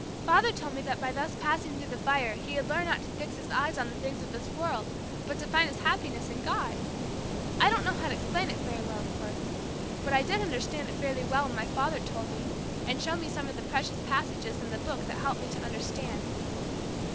Father told me that by thus passing through the fire he had learned not to fix his eyes on the things of this world, but to find his happiness in God. I don't know how to explain it very well, of course; but I did understand it fairly well when my father told me and showed me some of the precious passages in the Book that helped me to understand."